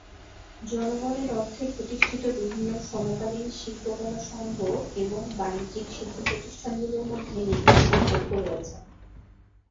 জনগণের অর্থে প্রতিষ্ঠিত বিভিন্ন সমকালীন শিল্পকলা সংঘ এবং বাণিজ্যিক শিল্প-প্রতিষ্ঠানগুলোর মধ্যে নিবিড় সম্পর্ক রয়েছে।